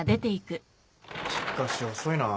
しかし遅いな。